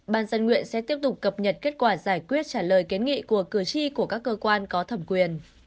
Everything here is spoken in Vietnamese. ban dân nguyện sẽ tiếp tục cập nhật kết quả giải quyết trả lời kiến nghị của cử tri của các cơ quan có thẩm quyền